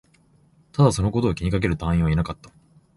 ただ、そのことを気にかける隊員はいなかった